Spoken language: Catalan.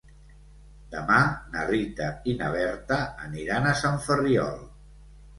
Demà na Rita i na Berta aniran a Sant Ferriol.